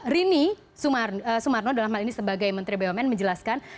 rini sumarno dalam hal ini sebagai menteri bumn menjelaskan